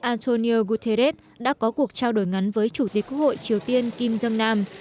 antonio guterres đã có cuộc trao đổi ngắn với chủ tịch quốc hội triều tiên kim jong nam